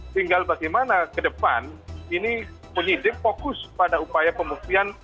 tinggal bagaimana ke depan ini penyidik fokus pada upaya pembuktian